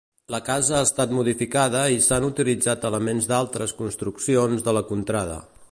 La casa ha estat modificada i s'han utilitzat elements d'altres construccions de la contrada.